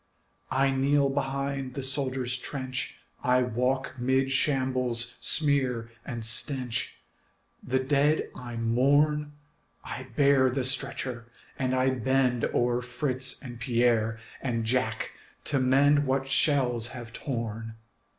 I kneel behind the soldier's trench, I walk 'mid shambles' smear and stench, The dead I mourn; I bear the stretcher and I bend O'er Fritz and Pierre and Jack to mend What shells have torn.